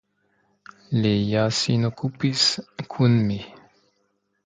Li ja sin okupis kun mi.